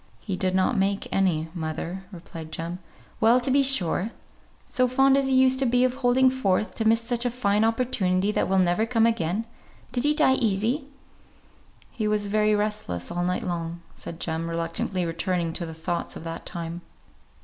"He did not make any, mother," replied Jem. "Well, to be sure! So fond as he used to be of holding forth, to miss such a fine opportunity that will never come again! Did he die easy?" "He was very restless all night long," said Jem, reluctantly returning to the thoughts of that time.